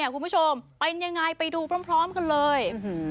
คุณผู้ชมเป็นยังไงไปดูพร้อมกันเลย